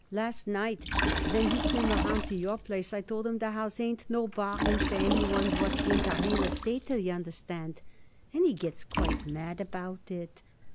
Last night when he came around to your place I told him the house ain't no bargain for any one what ain't a real estater, y'understand, and he gets quite mad about it.